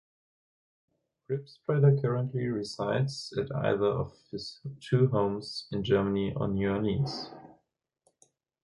Ribspreader currently resides at either of his two homes, in Germany and New Orleans.